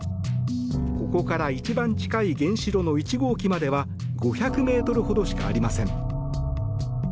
ここから一番近い原子炉の１号機までは５００ｍほどしかありません。